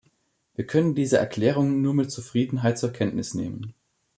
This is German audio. Wir können diese Erklärungen nur mit Zufriedenheit zur Kenntnis nehmen.